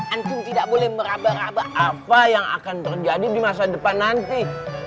antum tidak boleh merabak rabak apa yang akan terjadi di masa depan nanti